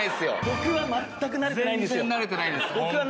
僕はまったく慣れてないんですよ。